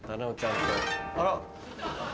あら。